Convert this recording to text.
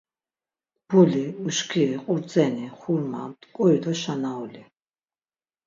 Mbuli, uşkiri, qurdzeni, xurma; mt̆ǩuri do şanauli…